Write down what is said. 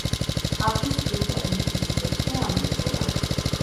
აქ ის თვლიდა, რომ მისი სიცოცხლე ამოიწურა.